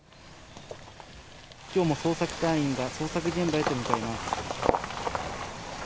きょうも捜索隊員が捜索現場へと向かいます。